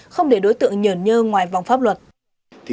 không để đối tượng nhờn nhơ ngoài vòng pháp luật